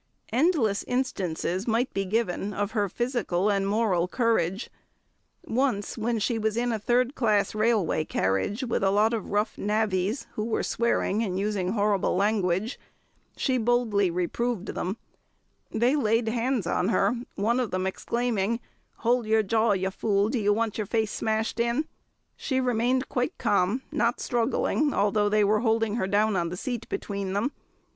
Endless instances might be given of her physical and moral courage; once, when she was in a third class railway carriage with a lot of rough navvies, who were swearing and using horrible language, she boldly reproved them; they laid hands on her, one of them exclaiming, "Hold your jaw, you fool; do you want your face smashed in?" She remained quite calm, not struggling, although they were holding her down on the seat between them.